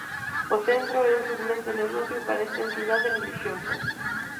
O centro é un suculento negocio para esta entidade relixiosa.